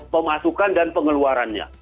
pemasukan dan pengeluarannya